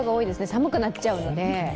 寒くなっちゃうので。